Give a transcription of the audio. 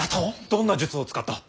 どんな術を使った。